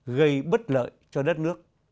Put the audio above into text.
gây bất kỳ nguy hiểm